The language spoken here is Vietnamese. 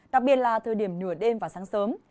đặc biệt là thời điểm nửa đêm và sáng sớm